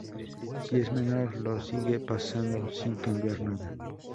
Si es menor, lo sigue pasando sin cambiar nada.